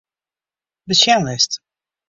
Besjenlist.